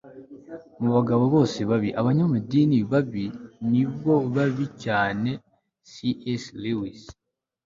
mu bagabo bose babi, abanyamadini babi ni bo babi cyane - c s lewis